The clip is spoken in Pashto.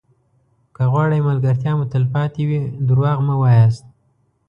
که غواړئ ملګرتیا مو تلپاتې وي دروغ مه وایاست.